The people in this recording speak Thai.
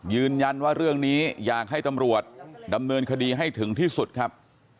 ยืนยันว่าเรื่องนี้อยากให้ตำรวจดำเนินคดีให้ถึงที่สุดครับ